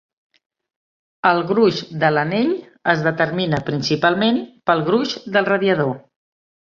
El gruix de l'anell es determina principalment pel gruix del radiador.